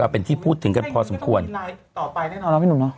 เป็นที่พูดถึงกันพอสมควรต่อไปแน่นอนเนาะพี่หนุ่มเนอ